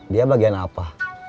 dia bagian apa